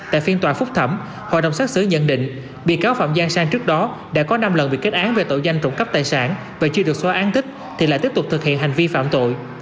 tại phiên tòa phúc thẩm hội đồng xác xử nhận định bị cáo phạm giang sang trước đó đã có năm lần bị kết án về tội danh trộm cắp tài sản và chưa được xóa án tích thì lại tiếp tục thực hiện hành vi phạm tội